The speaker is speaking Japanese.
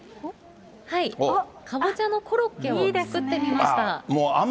かぼちゃのコロッケを作ってみました。